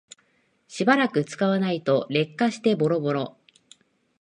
しばらく使わないと劣化してボロボロ